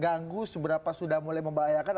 ganggu seberapa sudah mulai membahayakan